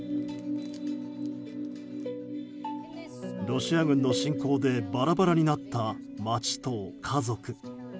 ロシア軍の侵攻でバラバラになった町と家族。